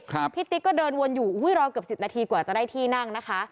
พี่ติ๊กก็เดินวนอยู่อุ้ยรอเกือบสิบนาทีกว่าจะได้ที่นั่งนะคะ